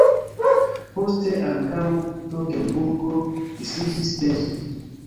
Poste ankaŭ Togenburgo disiĝis de ĝi.